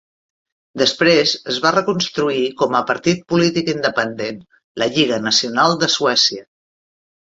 Després es va reconstruir com a partit polític independent, la Lliga Nacional de Suècia.